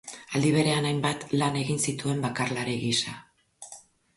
Aldi berean hainbat lan egin zituen bakarlari gisa.